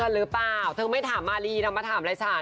หรือเปล่าเธอไม่ถามมารีนะมาถามอะไรฉัน